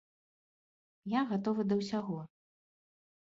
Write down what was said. Я гатовы да ўсяго.